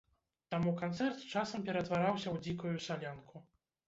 Таму канцэрт часам ператвараўся ў дзікую салянку.